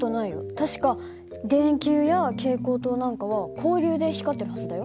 確か電球や蛍光灯なんかは交流で光ってるはずだよ。